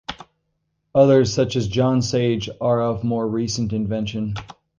Others, such as John Sage, are of more recent invention.